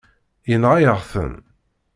Yenɣa-yaɣ-ten.